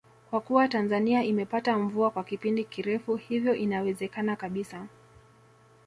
Kwa kuwa Tanzania imepata mvua kwa kipindi kirefu hivyo inawezekana kabisa